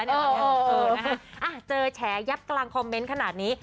เออนะฮะเจอแฉยับกลางคอมเมนต์ขนาดนี้